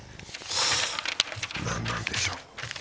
何なんでしょう。